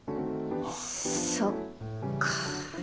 そっか。